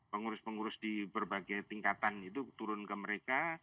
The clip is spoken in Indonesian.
pengurus pengurus di berbagai tingkatan itu turun ke mereka